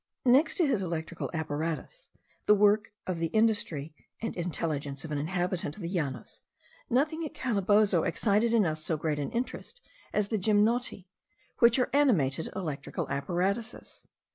Next to his electrical apparatus, the work of the industry and intelligence of an inhabitant of the Llanos, nothing at Calabozo excited in us so great an interest as the gymnoti, which are animated electrical apparatuses.